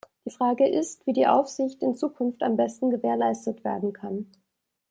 Die Frage ist, wie die Aufsicht in Zukunft am besten gewährleistet werden kann.